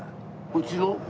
うちの？